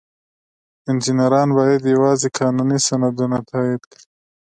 انجینران باید یوازې قانوني سندونه تایید کړي.